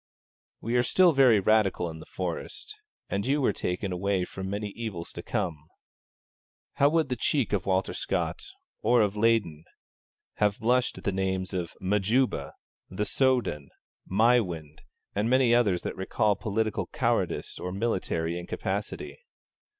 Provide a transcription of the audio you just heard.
We are still very Radical in the Forest, and you were taken away from many evils to come. How would the cheek of Walter Scott, or of Leyden, have blushed at the names of Majuba, The Soudan, Maiwand, and many others that recall political cowardice or military incapacity!